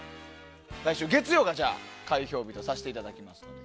来週月曜が開票日とさせていただきます。